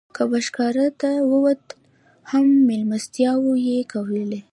که به ښکار ته ووت هم مېلمستیاوې یې کولې.